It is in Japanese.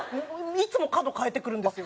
いつも角変えてくるんですよ。